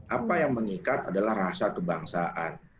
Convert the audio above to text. apa yang mengikat adalah rasa kebangsaan